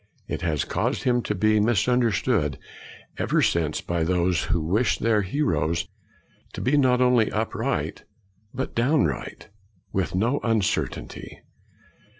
It has caused him to be mis understood ever since by those who wish their heroes to be not only upright but downright, with no uncertainty.